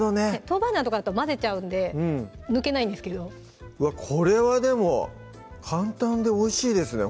トウバンジャンとかだと混ぜちゃうんで抜けないんですけどこれはでも簡単でおいしいですね